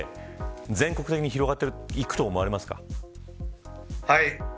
全国的に広まっていくと思います。